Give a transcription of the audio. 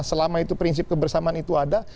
selama itu prinsip kebersamaan itu ada